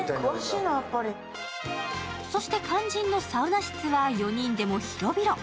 そして肝心のサウナ室は４人でも広々。